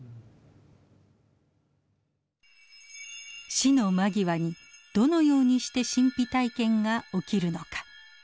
死の間際にどのようにして神秘体験が起きるのか。